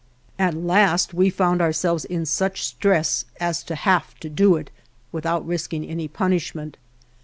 At last we found ourselves in such stress as to have to do it, without risk ing any punishment.